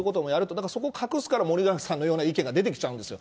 だからそこを隠すから、森永さんのような意見が出てきちゃうんですよ。